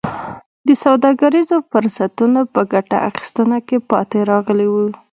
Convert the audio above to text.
د سوداګریزو فرصتونو په ګټه اخیستنه کې پاتې راغلي وو.